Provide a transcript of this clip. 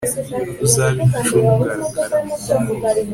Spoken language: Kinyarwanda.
uzaba incungu, arakarama